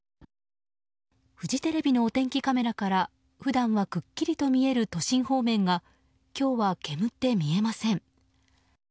フジテレビのお天気カメラから普段はくっきりと見える都心方面が今日は煙って見えません。